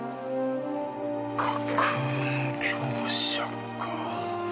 架空の業者か。